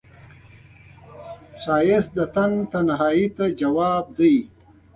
ښایست د تن تنهایی ته ځواب دی